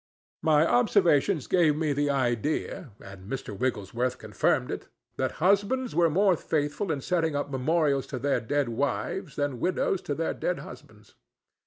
My observations gave me the idea, and Mr. Wigglesworth confirmed it, that husbands were more faithful in setting up memorials to their dead wives than widows to their dead husbands.